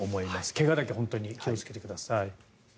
怪我だけ本当に気をつけてください。